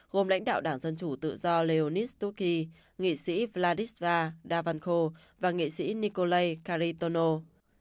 gồm lãnh đạo đảng dân chủ tự do leonid stuky nghị sĩ vladislav davanko và nghị sĩ nikolai kharitonov